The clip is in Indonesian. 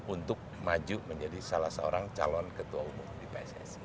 untuk maju menjadi salah seorang calon ketua umum di pssi